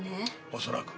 恐らく。